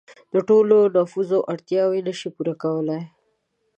د ټول نفوس اړتیاوې نشي پوره کولای.